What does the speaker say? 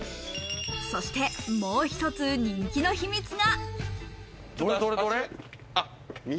そして、もう一つ人気の秘密が。